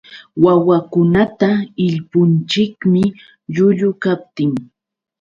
Wawakunata illpunchikmi llullu kaptin.